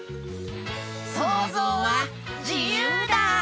そうぞうはじゆうだ！